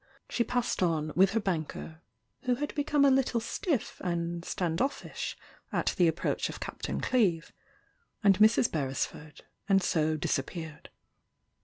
she passed on, with her banker (who had become a little stiff and 8tando£5sh at the approach of Captain Cleeve) and Mrs. Beresford, and so disappeared.